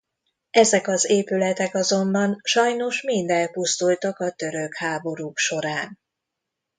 Ezek az épületek azonban sajnos mind elpusztultak a török háborúk során.